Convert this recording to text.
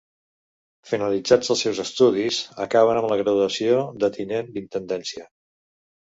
Finalitzats els seus estudis, acaben amb la graduació de tinents d'Intendència.